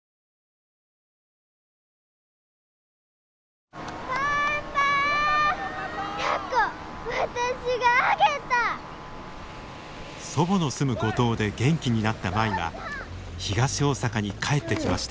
祖母の住む五島で元気になった舞は東大阪に帰ってきました。